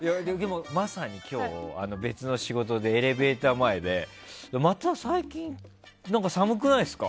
まさに今日別の仕事で、エレベーター前でまた最近、寒くないですか？